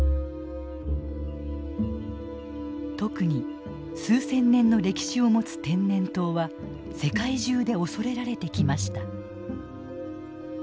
特に数千年の歴史を持つ天然痘は世界中で恐れられてきました。